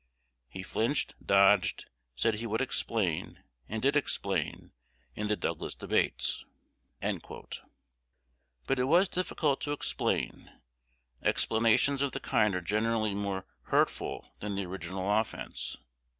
He flinched, dodged, said he would explain, and did explain, in the Douglas debates." But it was difficult to explain: explanations of the kind are generally more hurtful than the original offence.